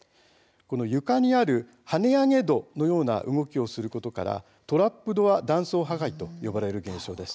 床にある跳ね上げ戸のような動きをすることからトラップドア断層破壊と呼ばれる現象です。